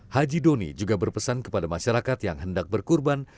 haji doni juga berpesan kepada masyarakat yang hendak berkurban